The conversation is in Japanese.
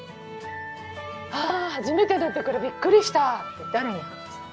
あ初めてだったからびっくりしたって誰に話す？